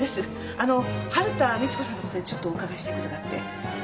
あの春田美津子さんの事でちょっとお伺いしたい事があってええ。